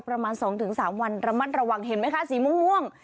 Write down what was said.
ประมาณ๒๓วันระมัดระวังเห็นไหมคะสีม่วง